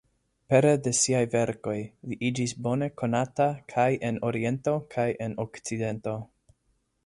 Pere de siaj verkoj, li iĝis bone konata kaj en Oriento kaj en Okcidento.